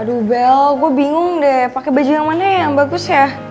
aduh bel gw bingung deh pake baju yang mana ya yang bagus ya